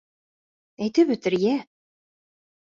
Әйтеп бөтөр «йә»...